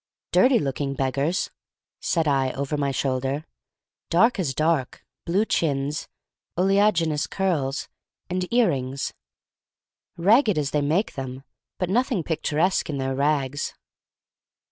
"Dirty looking beggars," said I over my shoulder: "dark as dark; blue chins, oleaginous curls, and ear rings; ragged as they make them, but nothing picturesque in their rags."